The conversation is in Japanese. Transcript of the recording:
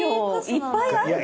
いっぱいあるから！